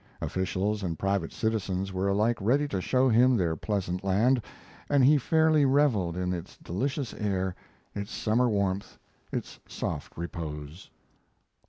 Officials and private citizens were alike ready to show him their pleasant land, and he fairly reveled in its delicious air, its summer warmth, its soft repose.